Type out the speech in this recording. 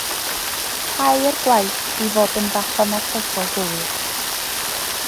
Tair gwaith, i fod yn fathemategol gywir